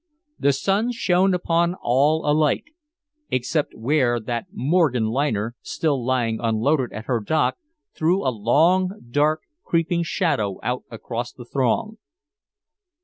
The sun shone upon all alike except where that Morgan liner, still lying unloaded at her dock, threw a long dark creeping shadow out across the throng.